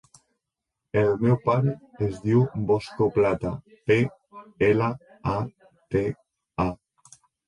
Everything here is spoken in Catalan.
El meu pare es diu Bosco Plata: pe, ela, a, te, a.